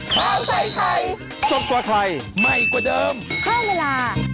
สวัสดีค่ะ